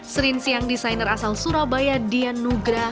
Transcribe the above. sering siang desainer asal surabaya dian nugra